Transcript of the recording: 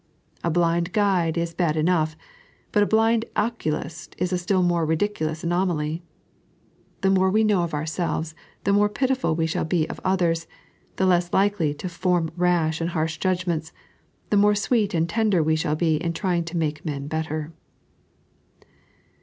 A blind guide is bad enough, but a blind oculist is a still more ridiculous anomaly. The more we know of ourselves, the more pitdful we shall be of others; the less likely to form rash and harsh judgments ; tibe more sweet and tender we shall be in trying to make men better.